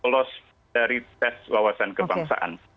los dari tes lawasan kebangsaan